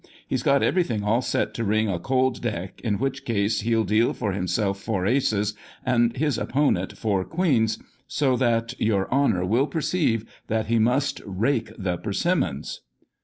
He's got everything all set to ring a ' cold deck,' in which case he'll deal for himself four aces and his opponent four queens, so that your honour will perceive that he must ' rake the persimmons.'